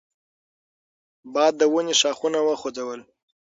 باد د ونې ښاخونه وخوځول.